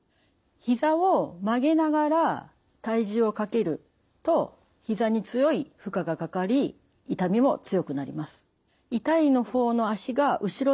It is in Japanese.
ひざを曲げながら体重をかけるとひざに強い負荷がかかり痛みも強くなります。